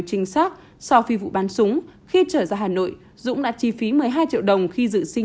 chính xác sau phi vụ bắn súng khi trở ra hà nội dũng đã chi phí một mươi hai triệu đồng khi dự sinh